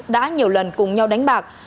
đã nhiều lần cùng nhau đánh bạc